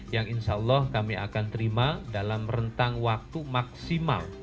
yang insya allah kami akan terima dalam rentang waktu maksimal